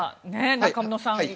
中室さん。